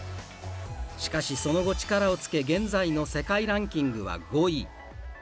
しかし、その後、力をつけ現在の世界ランキングは５位。